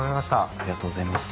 ありがとうございます。